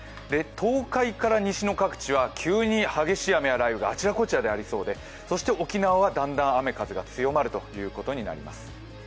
東海から西の各地は急に激しい雨や雷雨があちらこちらでありそうで沖縄はだんだん雨・風が強まるということになります。